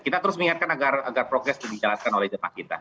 kita terus mengingatkan agar progres itu dijalankan oleh jemaah kita